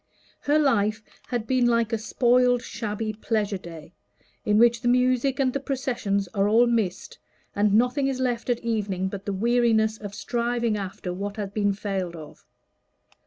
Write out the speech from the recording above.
Her life had been like a spoiled shabby pleasure day, in which the music and the processions are all missed, and nothing is left at evening but the weariness of striving after what has been failed of.